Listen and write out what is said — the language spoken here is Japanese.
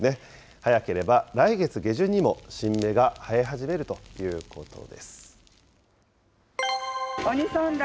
早ければ来月下旬にも新芽が生え始めるということです。